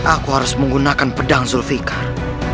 aku harus menggunakan pedang zulfikar